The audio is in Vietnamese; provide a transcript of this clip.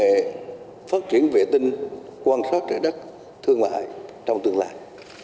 và phát triển vệ tinh quân sát trái đất thương mại trong tương lai